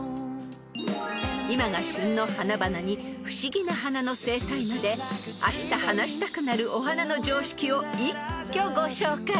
［今が旬の花々に不思議な花の生態まであした話したくなるお花の常識を一挙ご紹介］